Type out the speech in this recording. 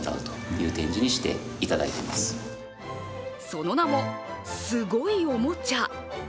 その名も、すごいおもちゃ。